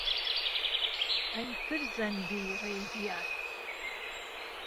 ئەی فرزهندی رێی دیار